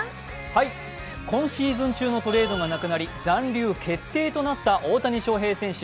今シーズン中のトレードがなくなり、残留決定となった大谷翔平選手。